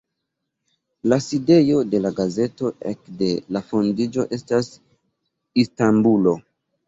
La sidejo de la gazeto ekde la fondiĝo estas Istanbulo.